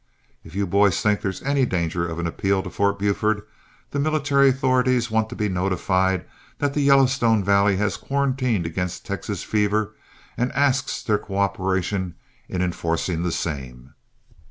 If you boys think there's any danger of an appeal to Fort Buford, the military authorities want to be notified that the Yellowstone Valley has quarantined against Texas fever and asks their cooperation in enforcing the same."